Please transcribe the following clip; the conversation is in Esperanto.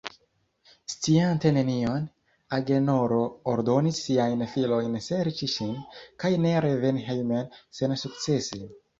Sciante nenion, Agenoro ordonis siajn filojn serĉi ŝin, kaj ne reveni hejmen sensukcese.